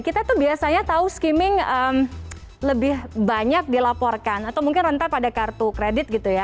kita tuh biasanya tahu skimming lebih banyak dilaporkan atau mungkin rentah pada kartu kredit gitu ya